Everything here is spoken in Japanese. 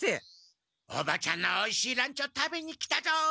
おばちゃんのおいしいランチを食べに来たぞ。